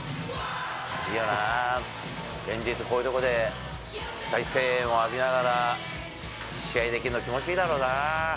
いいよな、連日、こういう所で大声援を浴びながら、試合できるの気持ちいいだろうな。